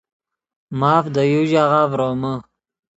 ماف دے یو ژاغہ ڤرومے